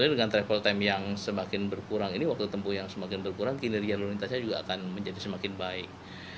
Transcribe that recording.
tapi dengan travel time yang semakin berkurang ini waktu tempuh yang semakin berkurang kinerja lalu lintasnya juga akan menjadi semakin baik